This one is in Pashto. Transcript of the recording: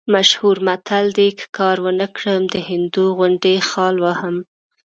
مشهور متل دی: که کار ونه کړم، د هندو غوندې خال وهم.